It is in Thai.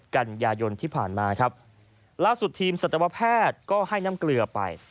กันยายนที่ผ่านมาครับล่าสุดทีมสัตวแพทย์ก็ให้น้ำเกลือไป